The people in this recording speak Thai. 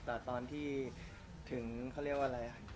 แต่ตอนที่ถึงเขาเรียกว่าอะไร